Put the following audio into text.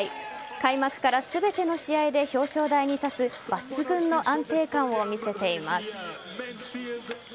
開幕から全ての試合で表彰台に立つ抜群の安定感を見せています。